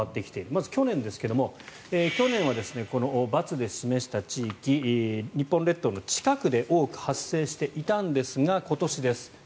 まず去年ですが去年はこのバツで示した地域日本列島の近くで多く発生していたんですが今年です。